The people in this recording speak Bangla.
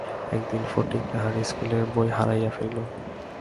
একদিন ফটিক তাহার স্কুলের বই হারাইয়া ফেলিল।